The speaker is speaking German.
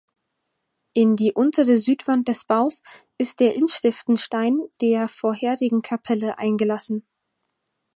In die untere Südwand des Baus ist der Inschriftenstein der vorherigen Kapelle eingelassen.